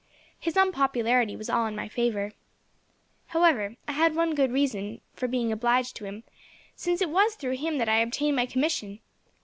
His unpopularity was all in my favour. "However, I have one good reason for being obliged to him, since it was through him that I obtained my commission.